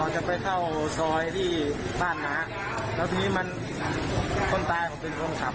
จะไปเข้าซอยที่บ้านน้าแล้วทีนี้มันคนตายผมเป็นคนขับ